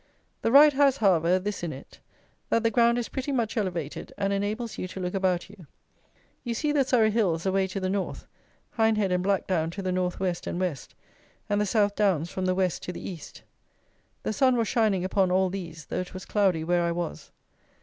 The ride has, however, this in it: that the ground is pretty much elevated, and enables you to look about you. You see the Surrey hills away to the North; Hindhead and Blackdown to the North West and West; and the South Downs from the West to the East. The sun was shining upon all these, though it was cloudy where I was.